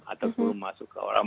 atau sebelum masuk ke orang